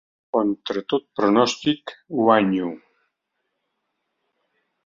I contra tot pronòstic, guanyo.